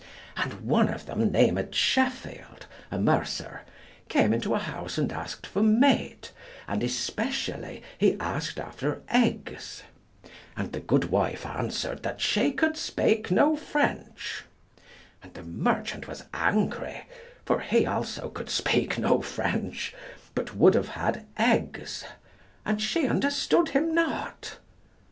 And one of them named Sheffield, a mercer, came into a house and asked for meat, and especially he asked after eggs; and the good wife answered that she could speak no French, and the merchant was angry, for he also could speak no French, but would have had eggs, and she understood him not.